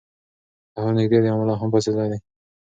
سهار نږدې دی او ملا هم پاڅېدلی دی.